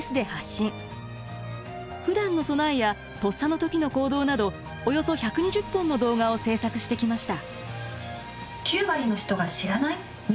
ふだんの備えやとっさの時の行動などおよそ１２０本の動画を制作してきました。